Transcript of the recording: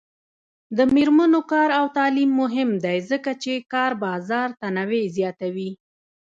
د میرمنو کار او تعلیم مهم دی ځکه چې کار بازار تنوع زیاتوي.